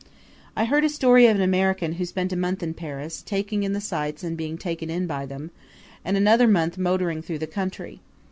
I heard a story of an American who spent a month in Paris, taking in the sights and being taken in by them, and another month motoring through the country.